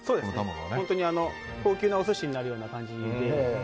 本当に、高級なお寿司になるような感じで。